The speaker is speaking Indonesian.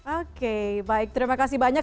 oke baik terima kasih banyak